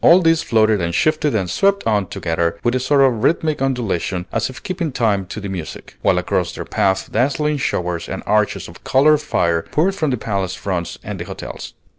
All these floated and shifted and swept on together with a sort of rhythmic undulation as if keeping time to the music, while across their path dazzling showers and arches of colored fire poured from the palace fronts and the hotels.